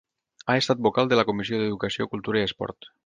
Ha estat vocal de la Comissió d'Educació, Cultura i Esport.